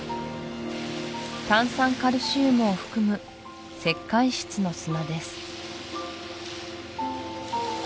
炭酸カルシウムを含む石灰質の砂です